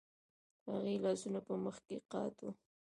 د هغې لاسونه په مخ کې قات وو